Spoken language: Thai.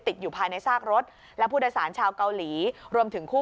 ติดอยู่ภายในซากรถและผู้โดยสารชาวเกาหลีรวมถึงคู่